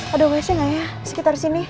ada wc nggak ya sekitar sini